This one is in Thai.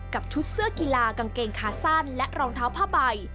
กับชุดเสื้อกีฬากางเกงขาสั้นและรองเท้าผ้าใบ